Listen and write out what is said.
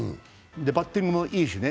バッティングもいいしね